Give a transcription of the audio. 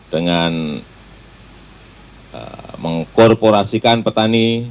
dengan mengkorporasikan petani